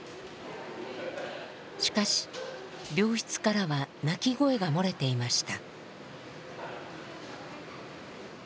しかし病室からは泣き声が漏れていました。